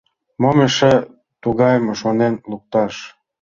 Мом эше тугайым шонен лукташ?